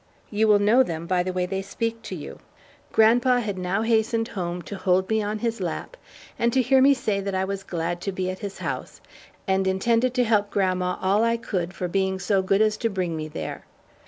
You will know them by the way they speak to you." Grandpa had now hastened home to hold me on his lap and to hear me say that I was glad to be at his house and intended to help grandma all I could for being so good as to bring me there.